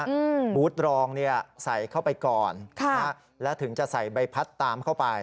อืมบูธรองเนี้ยใส่เข้าไปก่อนค่ะแล้วถึงจะใส่ใบพัดตามเข้าไป